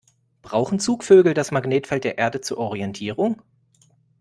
Brauchen Zugvögel das Magnetfeld der Erde zur Orientierung?